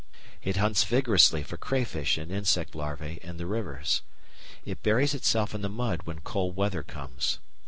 It hunts vigorously for crayfish and insect larvæ in the rivers. It buries itself in the mud when cold weather comes.